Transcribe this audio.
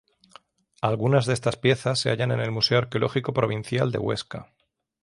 Algunas de estas piezas se hallan en el Museo Arqueológico Provincial de Huesca.